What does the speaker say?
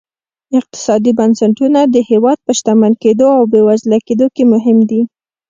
اقتصادي بنسټونه د هېواد په شتمن کېدو او بېوزله کېدو کې مهم دي.